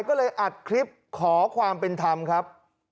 ก็เลยอัดคลิปขอความเป็นธรรมครับ